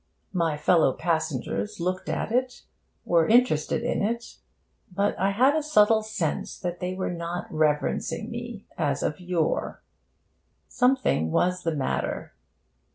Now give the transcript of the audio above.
My fellow passengers looked at it, were interested in it; but I had a subtle sense that they were not reverencing me as of yore. Something was the matter.